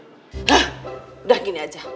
hah udah gini aja